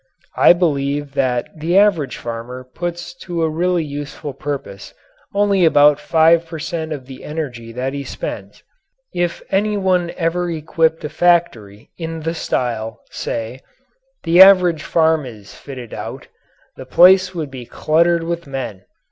I believe that the average farmer puts to a really useful purpose only about 5 per cent of the energy that he spends. If any one ever equipped a factory in the style, say, the average farm is fitted out, the place would be cluttered with men.